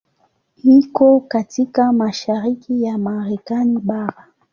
Iko katika mashariki ya Marekani bara.